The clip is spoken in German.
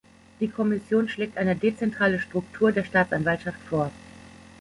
Die Kommission schlägt eine dezentrale Struktur der Staatsanwaltschaft vor.